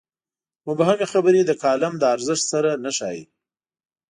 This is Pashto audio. مبهمې خبرې د کالم له ارزښت سره نه ښايي.